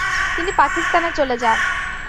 তিনি পাকিস্তানে চলে যান।